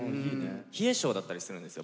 冷え性だったりするんですよ